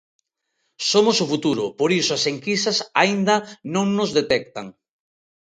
Somos o futuro, por iso as enquisas aínda non nos detectan!